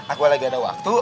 aku lagi ada waktu